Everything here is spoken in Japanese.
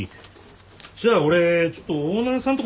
じゃあ俺ちょっとオーナーさんとこ行ってくるわ。